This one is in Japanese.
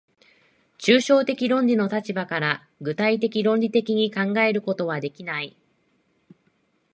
抽象的論理の立場から具体的論理的に考えることはできない。